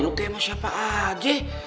lo kayak emang siapa aja